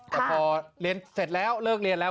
แต่พอเรียนเสร็จแล้วเลิกเรียนแล้ว